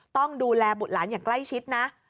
ต้องดูแลบุตรหลานอย่างใกล้ชิดนะ